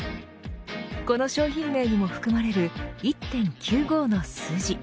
この商品名にも含まれる１．９５の数字